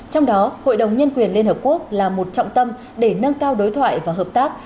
trong đó hội đồng nhân quyền liên hợp quốc là một trọng tâm để nâng cao đối thoại và hợp tác